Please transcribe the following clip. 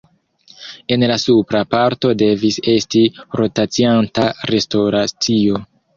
En la supra parto devis esti rotacianta restoracio.